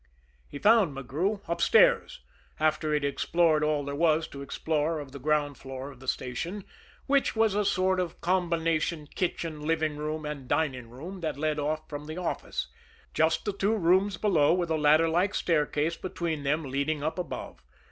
He found McGrew upstairs after he had explored all there was to explore of the ground floor of the station, which was a sort of combination kitchen, living room and dining room that led off from the office just the two rooms below, with a ladder like staircase between them leading up above.